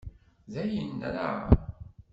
Dayen, nraε.